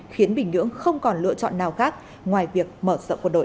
khiến bình nhưỡng không còn lựa chọn nào khác ngoài việc mở sợ quân đội